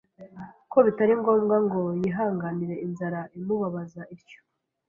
ko bitari ngombwa ngo yihanganire inzara imubabaza ityo